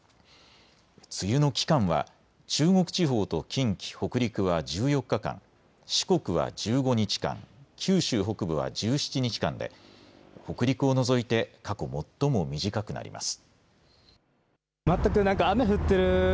梅雨の期間は中国地方と近畿、北陸は１４日間、四国は１５日間、九州北部は１７日間で北陸を除いて過去最も短くなります。